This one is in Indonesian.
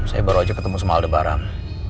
saya baru aja ketemu sama aldebaran